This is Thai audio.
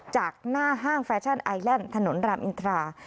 จากหน้าห้างแฟชั่นไอแลนด์ถนนรามอินทรา